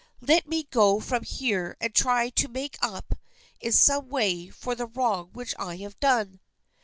Let me go from here and try to make up in some way for the wrong which I have done!"